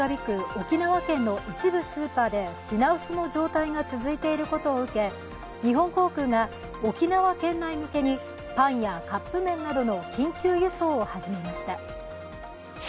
沖縄県の一部スーパーで品薄の状態が続いていることを受け、日本航空が沖縄県内向けに、パンやカップ麺などの緊急輸送を始めました。